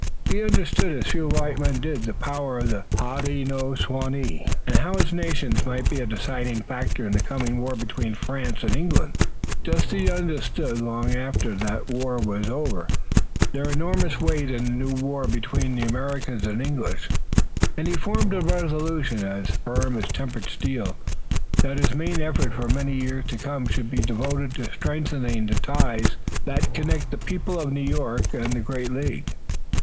He understood as few white men did the power of the Hodenosaunee and how its nations might be a deciding factor in the coming war between French and English, just as he understood long after that war was over their enormous weight in the new war between the Americans and English, and he formed a resolution as firm as tempered steel that his main effort for many years to come should be devoted to strengthening the ties that connected the people of New York and the great League.